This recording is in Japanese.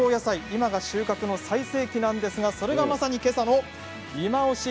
今が収穫の最盛期なんですがそれがまさに、けさのいまオシ！